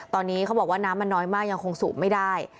ตอนนี้เขาบอกว่าน้ำมันน้อยมากยังคงสูบไม่ได้